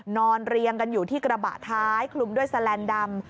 เรียงกันอยู่ที่กระบะท้ายคลุมด้วยแสลนด์ดำ